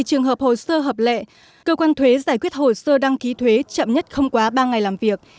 trường hợp hồ sơ hợp lệ cơ quan thuế giải quyết hồ sơ đăng ký thuế chậm nhất không quá ba ngày làm việc